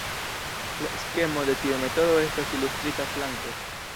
La skemo de tiu metodo estas ilustrita flanke.